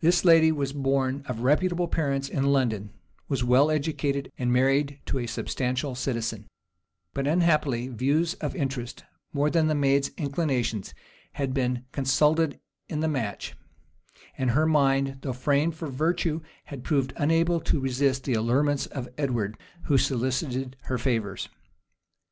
This lady was born of reputable parents in London, was well educated, and married to a substantial citizen; but unhappily views of interest, more than the maid's inclinations, had been consulted in the match, and her mind, though framed for virtue, had proved unable to resist the allurements of Edward, who solicited her favors.